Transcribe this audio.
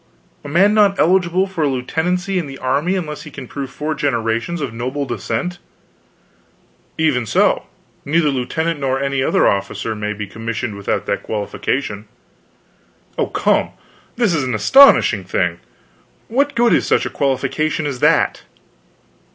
"A man not eligible for a lieutenancy in the army unless he can prove four generations of noble descent?" "Even so; neither lieutenant nor any other officer may be commissioned without that qualification." "Oh, come, this is an astonishing thing. What good is such a qualification as that?"